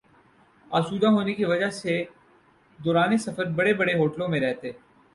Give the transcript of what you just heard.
آسودہ ہونے کی وجہ سے دوران سفر بڑے بڑے ہوٹلوں میں رہتے